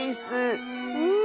うん。